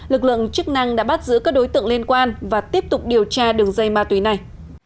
lực lượng chức năng đã bắt giữ các đối tượng liên quan và tiếp tục điều tra đường dây ma túy này